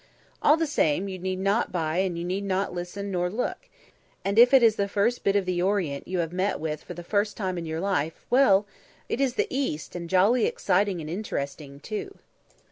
All the same, you need not buy and you need not listen nor look, and if it is the first bit of the Orient you have meet with for the first time in your life, well! it is the East, and jolly exciting and interesting, too.